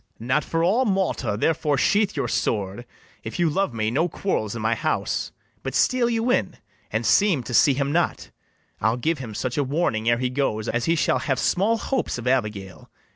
BARABAS. Not for all Malta; therefore sheathe your sword; If you love me, no quarrels in my house; But steal you in, and seem to see him not: I'll give him such a warning ere he goes, As he shall have small hopes of Abigail.